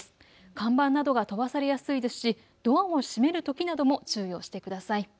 看板などが飛ばされやすいですしドアを閉めるときなども注意をしてください。